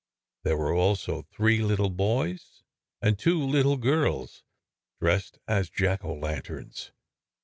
There were also three little boys and two little girls dressed as jack o' lanterns.